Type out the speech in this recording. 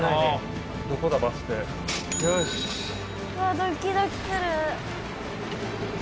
ドキドキする。